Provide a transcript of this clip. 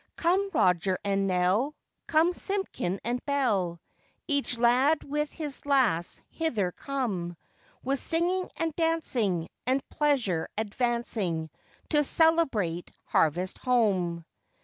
] COME, Roger and Nell, Come, Simpkin and Bell, Each lad with his lass hither come; With singing and dancing, And pleasure advancing, To celebrate harvest home!